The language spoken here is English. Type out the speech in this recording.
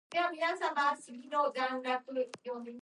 The staff club saw performances by famous singers and comedians.